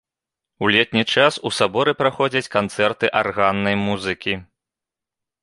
У летні час у саборы праходзяць канцэрты арганнай музыкі.